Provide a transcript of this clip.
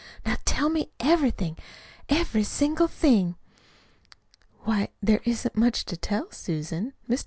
"Now tell me everything every single thing." "Why, there isn't much to tell, Susan. Mr.